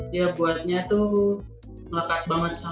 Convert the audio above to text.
dia buatnya tuh melekat banget sama